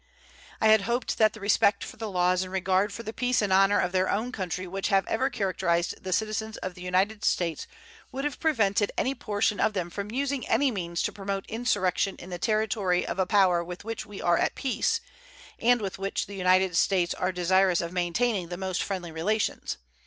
I had hoped that the respect for the laws and regard for the peace and honor of their own country which have ever characterized the citizens of the United States would have prevented any portion of them from using any means to promote insurrection in the territory of a power with which we are at peace, and with which the United States are desirous of maintaining the most friendly relations.